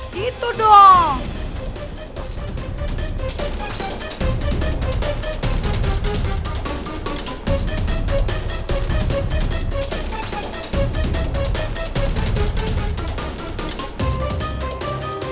jadi kamu jangan pergi ya